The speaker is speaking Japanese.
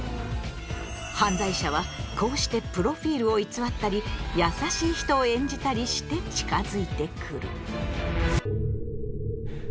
犯罪者はこうしてプロフィールを偽ったり優しい人を演じたりして近づいてくる。